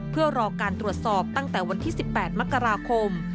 เพื่อรอการตรวจสอบตั้งแต่วันที่๑๘มกราคม